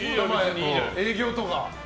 営業とか？